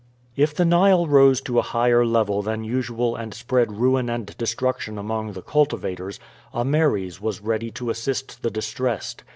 If the Nile rose to a higher level than usual and spread ruin and destruction among the cultivators, Ameres was ready to assist the distressed.